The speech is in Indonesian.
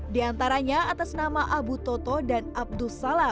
diantaranya atas nama abu toto dan abdus salam